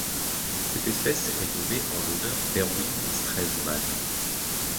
Cette espèce est nommée en l'honneur d'Erwin Stresemann.